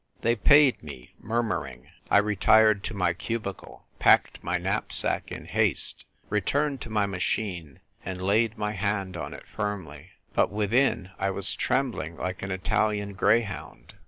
They paid me, murmuring. I retired to my cubicle, packed my knapsack in haste, returned to my machine, and laid my hand on it firmly. But within I was trembling like an Italian greyhound.